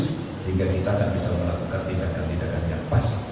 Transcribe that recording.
sehingga kita akan bisa melakukan tindakan tindakan yang pas